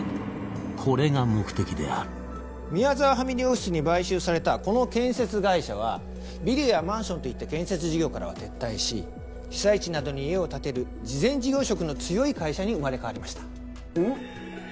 これが目的である宮沢ファミリーオフィスに買収されたこの建設会社はビルやマンションといった建設事業からは撤退し被災地などに家を建てる慈善事業色の強い会社に生まれ変わりましたん？